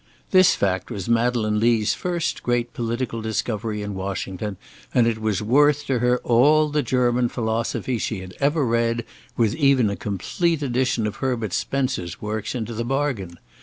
This fact was Madeleine Lee's first great political discovery in Washington, and it was worth to her all the German philosophy she had ever read, with even a complete edition of Herbert Spencer's works into the bargain.